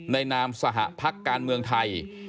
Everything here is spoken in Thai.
นามสหพักการเมืองไทย